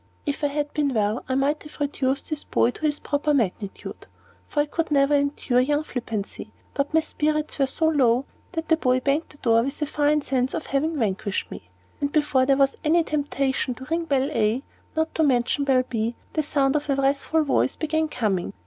If I had been well, I might have reduced this boy to his proper magnitude, for I never could endure young flippancy; but my spirits were so low that the boy banged the door with a fine sense of having vanquished me. And before there was any temptation to ring Bell A, not to mention Bell B, the sound of a wrathful voice began coming.